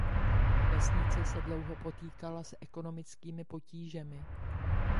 Vesnice se dlouho potýkala s ekonomickými potížemi.